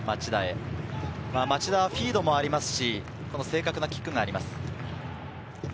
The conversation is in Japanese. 町田はフィードもありますし、正確なキックがあります。